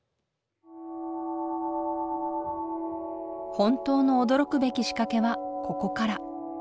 本当の驚くべき仕掛けはここから。